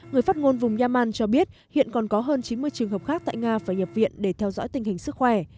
người phát ngôn vùng yaman cho biết hiện còn có hơn chín mươi trường hợp khác tại nga phải nhập viện để theo dõi tình hình sức khỏe